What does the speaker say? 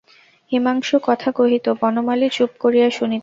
হিমাংশু কথা কহিত, বনমালী চুপ করিয়া শুনিত।